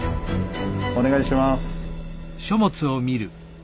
お願いします。